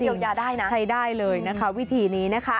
เดียวจะได้นะใช่ได้เลยวิถีนี้นะคะ